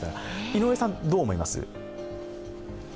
井上さん、どう思います？